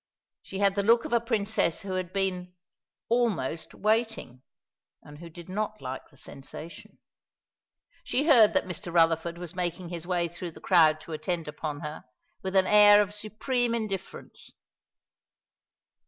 She had the look of a Princess who had been "almost waiting," and who did not like the sensation. She heard that Mr. Rutherford was making his way through the crowd to attend upon her, with an air of supreme indifference.